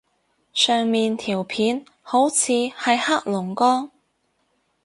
上面條片好似係黑龍江